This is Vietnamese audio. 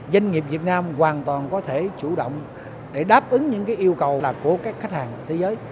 doanh nghiệp việt nam hoàn toàn có thể chủ động để đáp ứng những yêu cầu là của các khách hàng thế giới